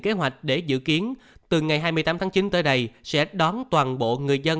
kế hoạch để dự kiến từ ngày hai mươi tám tháng chín tới đây sẽ đón toàn bộ người dân